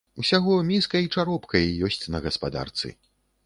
Усяго міска й чаропка й ёсць на гаспадарцы.